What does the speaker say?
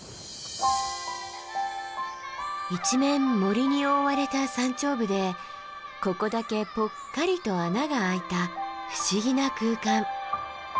一面森に覆われた山頂部でここだけぽっかりと穴が開いた不思議な空間。